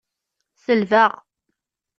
Selbeɣ.